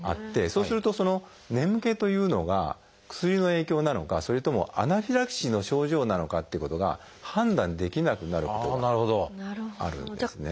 そうするとその眠気というのが薬の影響なのかそれともアナフィラキシーの症状なのかっていうことが判断できなくなることがあるんですね。